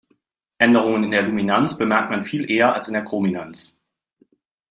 Änderungen in der Luminanz bemerkt man viel eher als in der Chrominanz.